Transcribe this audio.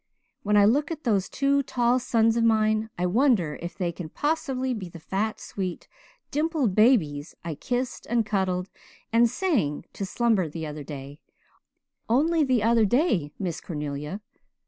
When I look at those two tall sons of mine I wonder if they can possibly be the fat, sweet, dimpled babies I kissed and cuddled and sang to slumber the other day only the other day, Miss Cornelia.